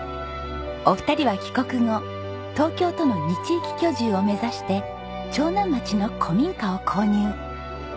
お二人は帰国後東京との二地域居住を目指して長南町の古民家を購入。